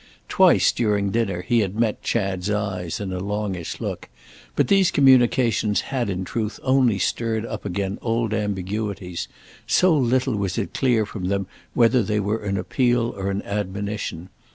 Twice during dinner he had met Chad's eyes in a longish look; but these communications had in truth only stirred up again old ambiguities—so little was it clear from them whether they were an appeal or an admonition.